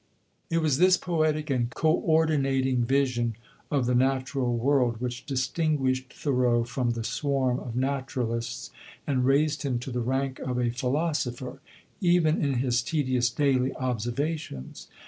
It was this poetic and coördinating vision of the natural world which distinguished Thoreau from the swarm of naturalists, and raised him to the rank of a philosopher even in his tedious daily observations.